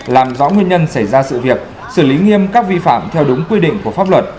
làm rõ nguyên nhân xảy ra sự việc xử lý nghiêm các vi phạm theo đúng quy định của pháp luật